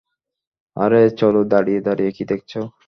আরে চলো, দাঁড়িয়ে দাঁড়িয়ে কি দেখছো?